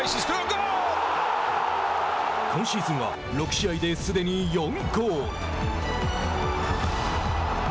今シーズンは６試合ですでに４ゴール。